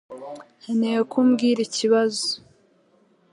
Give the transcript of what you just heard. Nkeneye ko umbwira ikibazo.